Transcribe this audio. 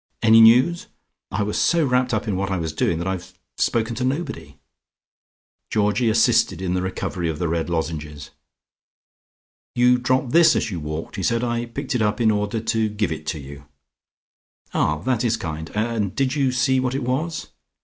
Any news? I was so wrapped up in what I was doing that I've spoken to nobody." Georgie assisted in the recovery of the red lozenges. "You dropped this as you walked," he said. "I picked it up in order to give it you." "Ah, that is kind, and did you see what it was?"